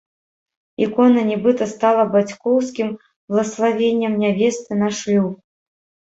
Ікона нібыта стала бацькоўскім блаславеннем нявесты на шлюб.